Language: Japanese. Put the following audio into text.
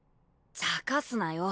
ちゃかすなよ